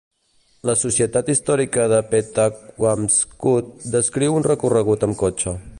La Societat Històrica de Pettaquamscutt descriu un recorregut amb cotxe.